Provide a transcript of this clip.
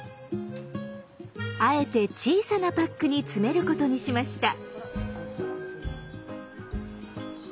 あえて小さなパックに詰めることにしました。